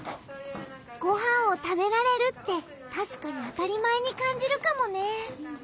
ごはんを食べられるってたしかに当たり前に感じるかもね。